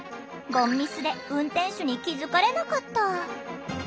凡ミスで運転手に気付かれなかった。